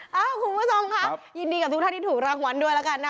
คุณผู้ชมค่ะยินดีกับทุกท่านที่ถูกรางวัลด้วยแล้วกันนะ